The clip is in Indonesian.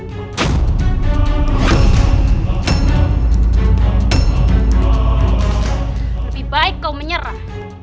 lebih baik kau menyerah